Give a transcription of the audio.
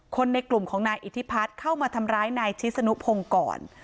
ในกลุ่มของนายอิทธิพัฒน์เข้ามาทำร้ายนายชิสนุพงศ์ก่อน